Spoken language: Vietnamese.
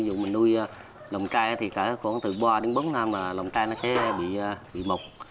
dù mình nuôi lồng cai thì cả khoảng từ ba đến bốn năm là lồng cai nó sẽ bị mọc